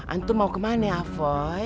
antum mau kemana afai